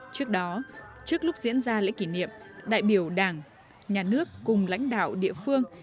trước đó trước lúc diễn ra lễ kỷ niệm đại biểu đảng nhà nước cùng lãnh đạo địa phương